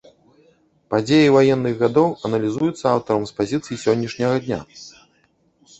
Падзеі ваенных гадоў аналізуюцца аўтарам з пазіцый сённяшняга дня.